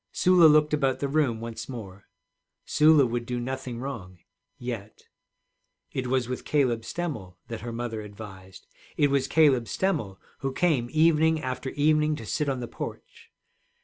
Sula looked about the room once more. Sula would do nothing wrong yet. It was with Caleb Stemmel that her mother advised, it was Caleb Stemmel who came evening after evening to sit on the porch.